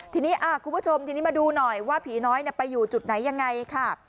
ทีนี้คุณผู้ชมทีนี้มาดูหน่อยว่าผีน้อยไปอยู่จุดไหนยังไงค่ะ